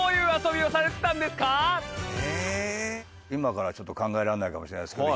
今からは考えられないかもしれないですけど。